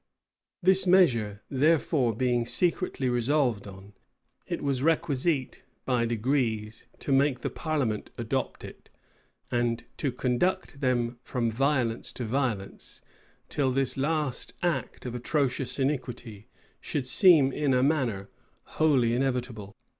[*] This measure, therefore, being secretly resolved on, it was requisite, by degrees, to make the parliament adopt it, and to conduct them from violence to violence, till this last act of atrocious iniquity should seem in a manner wholly inevitable.